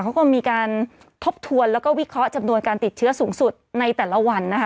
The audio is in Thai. เขาก็มีการทบทวนแล้วก็วิเคราะห์จำนวนการติดเชื้อสูงสุดในแต่ละวันนะคะ